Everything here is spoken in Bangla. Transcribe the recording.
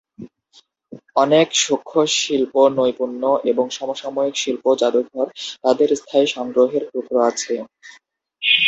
অনেক সূক্ষ্ম শিল্প, নৈপুণ্য, এবং সমসাময়িক শিল্প জাদুঘর তাদের স্থায়ী সংগ্রহের টুকরা আছে।